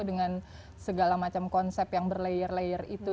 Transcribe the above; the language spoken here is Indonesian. dengan segala macam konsep yang berlayar layar itu